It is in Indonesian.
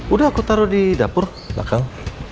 udah aku taruh di dapur belakang